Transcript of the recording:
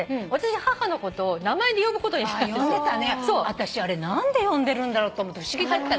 私何で呼んでるんだろうと思って不思議だった。